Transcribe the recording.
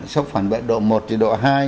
sốc phản bệnh độ một độ hai